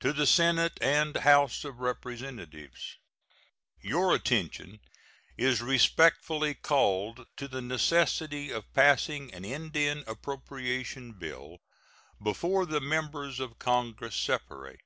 To the Senate and House of Representatives: Your attention is respectfully called to the necessity of passing an Indian appropriation bill before the members of Congress separate.